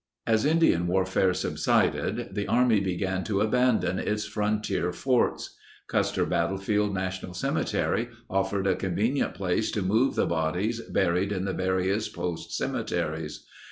As Indian warfare subsided, the Army began to abandon its frontier forts. Custer Battlefield Na tional Cemetery offered a convenient place to move the bodies buried in the various post cemeteries.